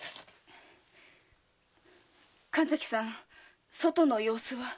神崎さん外の様子は？